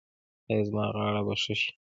ایا زما غاړه به ښه شي؟